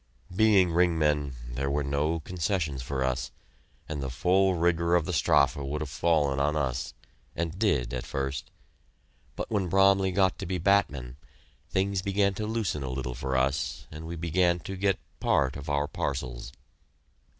Being ring men, there were no concessions for us, and the full rigor of the strafe would have fallen on us and did at first; but when Bromley got to be batman, things began to loosen a little for us and we began to get part of our parcels.